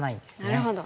なるほど。